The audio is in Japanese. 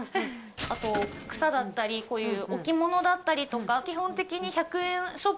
あと草だったりこういう置物だったりとか基本的に。